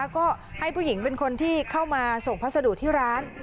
ก็ให้ผู้หญิงเป็นคนที่เข้ามาส่งพัสดุที่ร้าน